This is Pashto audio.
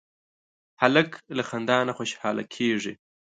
هلک له خندا نه خوشحاله کېږي.